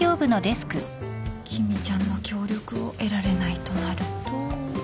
君ちゃんの協力を得られないとなると。